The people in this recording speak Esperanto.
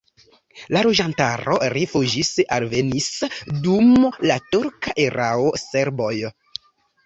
La loĝantaro rifuĝis, alvenis dum la turka erao serboj.